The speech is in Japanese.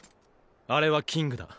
あれはキングだ。